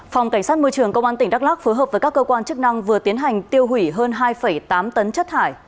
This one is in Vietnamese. phòng cảnh sát môi trường công an tỉnh đắk lắc phối hợp với các cơ quan chức năng vừa tiến hành tiêu hủy hơn hai tám tấn chất thải